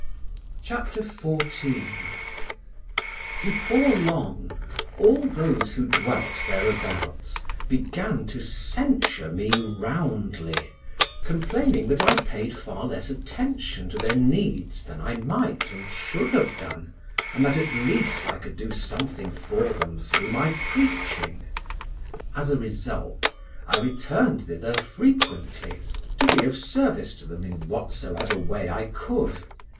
CHAPTER XIV OF THE EVIL REPORT OF HIS INIQUITY Before long all those who dwelt thereabouts began to censure me roundly, complaining that I paid far less attention to their needs than I might and should have done, and that at least I could do something for them through my preaching. As a result, I returned thither frequently, to be of service to them in whatsoever way I could.